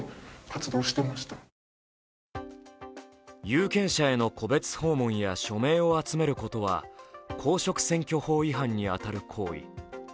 有権者への戸別訪問や署名を集めることは公職選挙法違反に当たる行為。